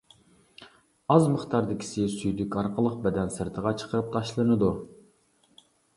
ئاز مىقداردىكىسى سۈيدۈك ئارقىلىق بەدەن سىرتىغا چىقىرىپ تاشلىنىدۇ.